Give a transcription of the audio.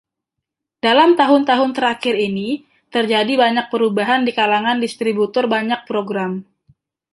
Dalam tahun-tahun terakhir ini, terjadi banyak perubahan di kalangan distributor banyak program.